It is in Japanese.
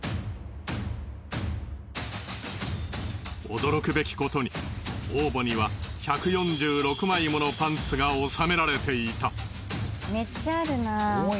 驚くべきことに王墓には１４６枚ものパンツが納められていた。